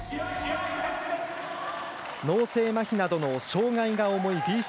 脳性まひなどの障がいが重いＢＣ